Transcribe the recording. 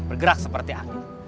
bergerak seperti angin